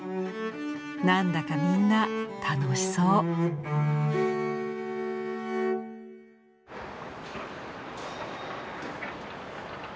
なんだかみんな楽しそう。